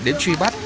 đến truy bắt